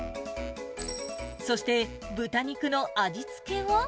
そして豚肉の味付けは。